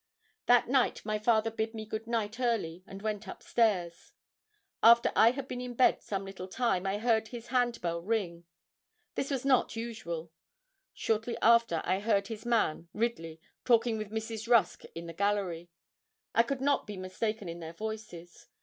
That night my father bid me good night early and went upstairs. After I had been in bed some little time, I heard his hand bell ring. This was not usual. Shortly after I heard his man, Ridley, talking with Mrs. Rusk in the gallery. I could not be mistaken in their voices.